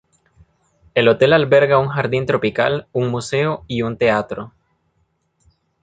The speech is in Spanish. El hotel alberga un jardín tropical, un museo y un teatro.